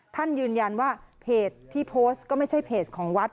ท่านยืนยันว่าเพจที่โพสต์ก็ไม่ใช่เพจของวัด